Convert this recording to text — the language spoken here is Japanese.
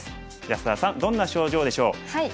安田さんどんな症状でしょう。